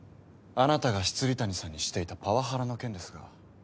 あなたが未谷さんにしていたパワハラの件ん？